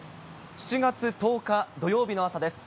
７月１０日土曜日の朝です。